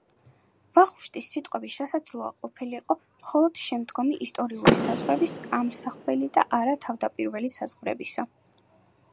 ვახუშტის სიტყვები შესაძლოა ყოფილიყო მხოლოდ შემდგომი ისტორიული საზღვრების ამსახველი და არა თავდაპირველი საზღვრებისა.